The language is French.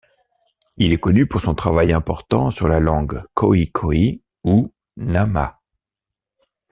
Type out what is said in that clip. Il est connu pour son travail important sur la langue khoïkhoï ou nama.